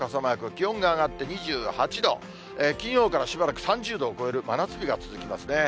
気温が上がって２８度、金曜からしばらく３０度を超える真夏日が続きますね。